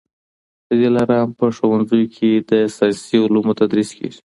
د دلارام په ښوونځیو کي د ساینسي علومو تدریس کېږي